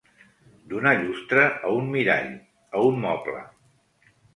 Donar llustre a un mirall, a un moble.